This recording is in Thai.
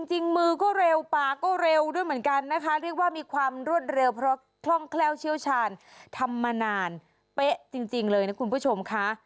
จริงมือก็เร็วปากก็เร็วด้วยเหมือนกันนะคะเรียกว่ามีความรวดเร็วเพราะคล่องแคล่วเชี่ยวชาญทำมานานเป๊ะจริงเลยนะคุณผู้ชมค่ะ